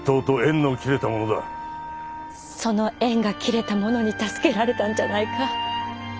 その縁が切れた者に助けられたんじゃないか。